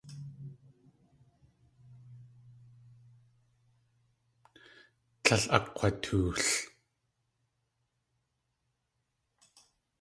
Tlél akg̲watool.